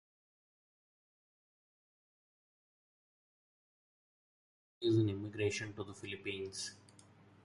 American colonial rule in the Philippines saw an increase in immigration to the Philippines.